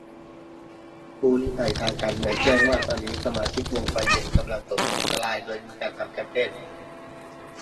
ผู้ลี้ภัยทางการเมืองแจ้งว่า ตอนนี้สมาชิกวงไฟเย็นที่ลี้ภัยในลาวกำลังตกอยู่ในอันตราย-โดยมีการทำแคมเปญ